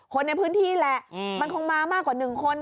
คนในพื้นที่แหละมันคงมามากกว่า๑คน